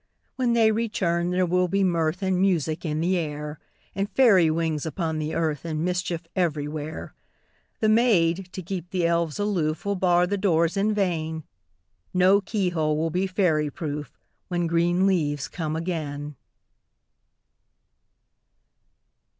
When they return, there will be mirth And music in the air, And fairy wings upon the earth, And mischief everywhere. The maids, to keep the elves aloof, Will bar the doors in vain ; No key hole will be fairy proof, When green leaves come again.